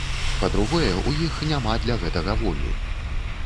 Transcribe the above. Па-другое, у іх няма для гэтага волі.